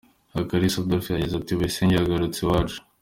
Aha Kalisa Adolphe yagize ati “Bayisenge yagarutse iwacu.